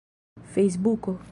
fejsbuko